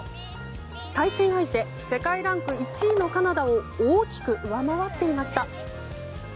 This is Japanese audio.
対戦相手世界ランク１位のカナダを大きく上回っていました。